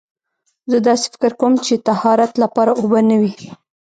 زه داسې فکر کوم چې طهارت لپاره اوبه نه وي.